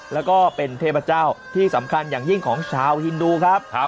แล้วก็เป็นเทพเจ้าที่สำคัญอย่างยิ่งของชาวฮินดูครับ